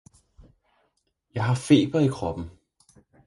jeg har feber i kroppen!